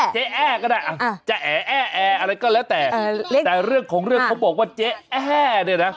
แอร์ก็ได้จะแออะไรก็แล้วแต่แต่เรื่องของเรื่องเขาบอกว่าเจ๊แอ้เนี่ยนะ